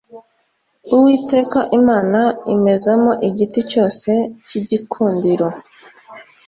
Uwiteka Imana imezamo igiti cyose cy’igikundiro